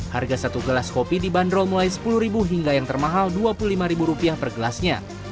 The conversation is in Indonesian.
harga satu gelas kopi dibanderol mulai sepuluh ribu hingga yang termahal dua puluh lima ribu rupiah per gelasnya